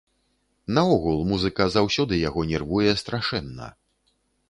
Наогул, музыка заўсёды яго нервуе страшэнна.